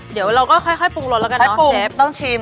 เดี๋ยวเราก็ค่อยปรุงรสแล้วกันเนาะเชฟ